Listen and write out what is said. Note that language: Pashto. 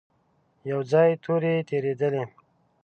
يو ځای تورې تېرېدلې.